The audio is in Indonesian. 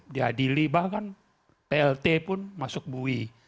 diadili bahkan plt pun masuk bui